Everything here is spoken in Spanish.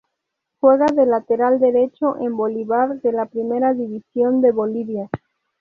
Juega de lateral derecho en Bolívar de la Primera Division de Bolivia.